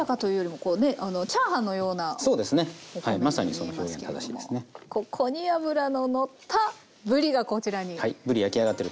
ここに脂ののったぶりがこちらに。